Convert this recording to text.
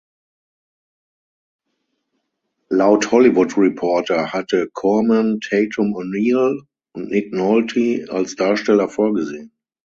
Laut "Hollywood Reporter" hatte Corman Tatum O’Neal und Nick Nolte als Darsteller vorgesehen.